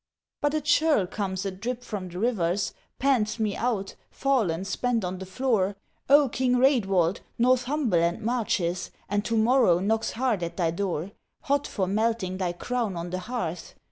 "But a churl comes adrip from the rivers, pants me out, fallen spent on the floor, 'O King Raedwald, Northumberland marches, and to morrow knocks hard at thy door, Hot for melting thy crown on the hearth!'